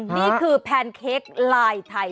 นี่คือแพนเค้กลายไทย